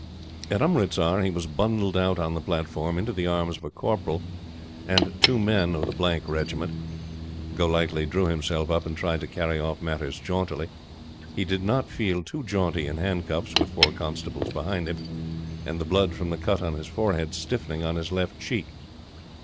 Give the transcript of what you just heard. At Umritsar he was bundled out on the platform into the arms of a Corporal and two men of the Regiment. Golightly drew himself up and tried to carry off matters jauntily. He did not feel too jaunty in handcuffs, with four constables behind him, and the blood from the cut on his forehead stiffening on his left cheek.